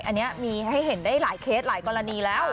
อันนี้มีให้เห็นได้หลายเคสหลายกรณีแล้ว